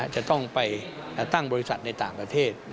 จะต้องไปตั้งบริษัทในต่างประเทศ